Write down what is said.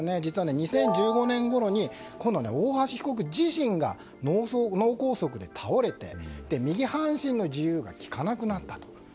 ２０１５年ごろに今度は大橋被告自身が脳梗塞で倒れて右半身の自由が利かなくなったと。